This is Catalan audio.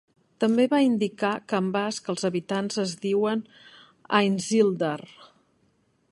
També va indicar que en basc els habitants es diuen "Aintzildar".